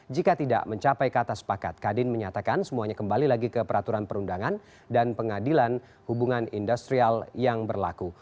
jika tidak mencapai kata sepakat kadin menyatakan semuanya kembali lagi ke peraturan perundangan dan pengadilan hubungan industrial yang berlaku